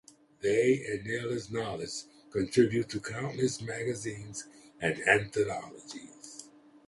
They and Naylor's knowledge contribute to countless magazines and anthologies.